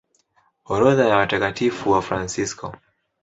Orodha ya Watakatifu Wafransisko